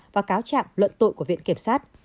và cáo chạm luận tội của viện kiểm sát